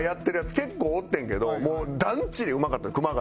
結構おってんけどもうダンチでうまかったんや熊谷が。